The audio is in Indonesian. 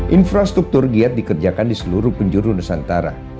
infrastruktur giat dikerjakan di seluruh penjuru nusantara